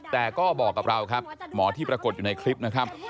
แต่ก็บอกกับเราครับหมอที่ปรากฏอยู่ในคลิปนะครับ